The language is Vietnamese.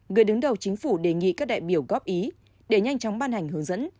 người đứng đầu chính phủ đề nghị các đại biểu góp ý để nhanh chóng ban hành hướng dẫn